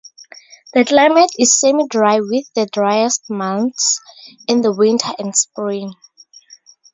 The climate is semi dry with the driest months in the winter and spring.